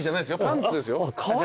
パンツですよ。